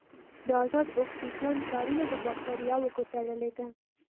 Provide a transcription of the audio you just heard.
د ازاد اکسیجن کارونه په باکتریاوو کې تړلې ده.